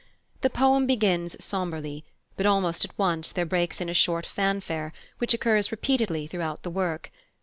The poem begins sombrely, but almost at once there breaks in a short fanfare, which occurs repeatedly throughout the work.